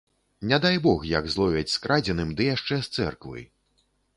Не дай бог, як зловяць з крадзеным ды яшчэ з цэрквы.